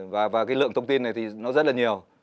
và cái lượng thông tin này thì nó rất là nhiều